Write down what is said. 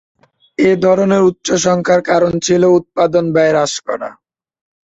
এ ধরনের উচ্চ সংখ্যার কারণ ছিল উৎপাদন ব্যয় হ্রাস করা।